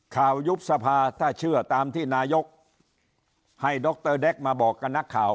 ยุบสภาถ้าเชื่อตามที่นายกให้ดรแก๊กมาบอกกับนักข่าว